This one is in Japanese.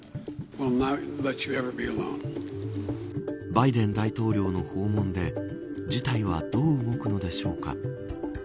バイデン大統領の訪問で事態は、どう動くのでしょうか。